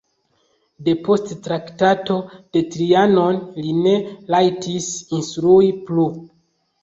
Depost Traktato de Trianon li ne rajtis instrui plu.